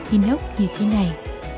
hình ốc như thế này